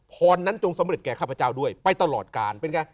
พรนั้นจงสำเร็จแก่ข้าพเจ้าด้วยไปตลอดกาลเป็นไง